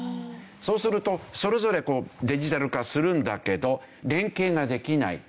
そうするとそれぞれデジタル化するんだけど連携ができない。